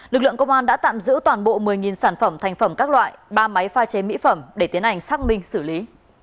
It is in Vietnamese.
lực lượng công an đã tạm giữ toàn bộ một mươi sản phẩm thành phẩm các loại ba máy pha chế mỹ phẩm để tiến hành xác minh xử lý